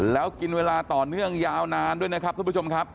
แล้วกินเวลาต่อเนื่องยาวนานด้วยนะครับทุกผู้ชมครับ